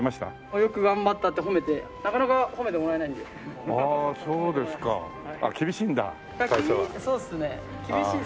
よく頑張ったって褒めてなかなか褒めてもらえないので。